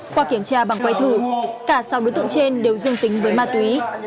qua kiểm tra bằng quay thử cả sáu đối tượng trên đều dương tính với ma túy